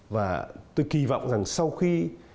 và tôi kỳ vọng rằng sau khi